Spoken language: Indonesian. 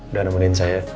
udah nemenin saya